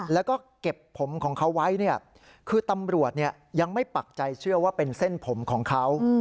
แล้วก็เก็บผมของเขาไว้เนี่ยคือตำรวจยังไม่ปักใจเชื่อว่าเป็นเส้นผมของเขา